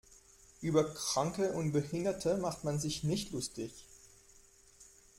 Über Kranke und Behinderte macht man sich nicht lustig.